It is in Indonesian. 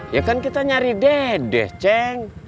ya kan kita nyari dedek ceng